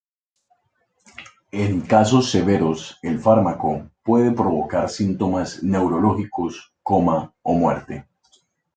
En casos severos el fármaco puede provocar síntomas neurológicos, coma, o muerte.